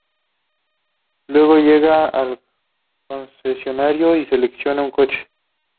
Luego llega al concesionario y selecciona un coche.